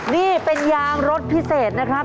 นี่เป็นยางรสพิเศษนะครับ